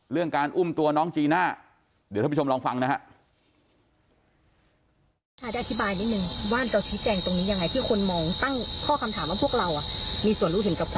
การอุ้มตัวน้องจีน่าเดี๋ยวท่านผู้ชมลองฟังนะฮะ